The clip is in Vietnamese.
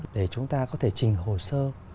để chúng ta có thể trình hồ sơ